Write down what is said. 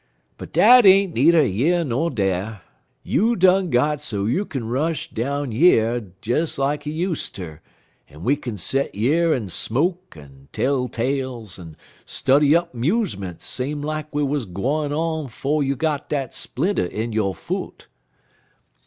"But dat ain't needer yer ner dar. You done got so youk'n rush down yer des like you useter, en we kin set yer en smoke, en tell tales, en study up 'musements same like we wuz gwine on 'fo' you got dat splinter in yo' foot.